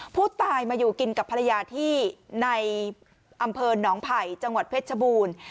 ผู้ตายมาอยู่กินกับภรรยาที่ในอำเภอหนองไผ่จังหวัดเพชรชบูรณ์